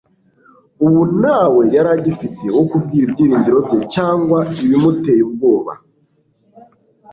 Ubu ntawe yari agifite wo kubwira ibyiringiro bye cyangwa ibimuteye ubwoba.